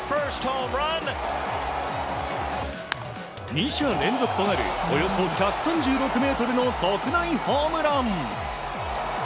２者連続となるおよそ１３６ｍの特大ホームラン。